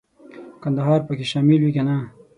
کندهار به پکې شامل وي کنه.